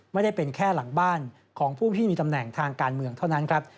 ไม่ได้เป็นแค่หลังบ้านของผู้ที่มีตำแหน่งทางการเมืองเท่านั้นครับ